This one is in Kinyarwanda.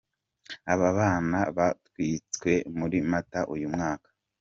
Aba bana batwitswe muri Mata uyu mwaka.